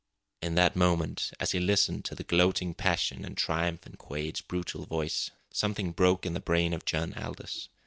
In that moment, as he listened to the gloating passion and triumph in Quade's brutal voice, something broke in the brain of John Aldous.